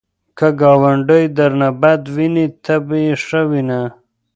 که ګاونډی درنه بد ویني، ته یې ښه وینه